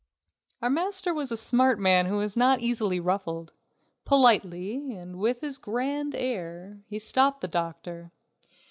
Our master was a smart man who was not easily ruffled. Politely, and with his grand air, he stopped the doctor.